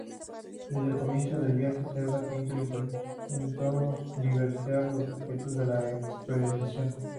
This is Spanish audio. Desde el comienzo del viaje Serpa Pinto intentó desviar los objetivos de la expedición.